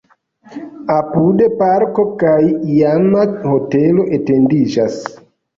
Apude parko kaj iama hotelo etendiĝas.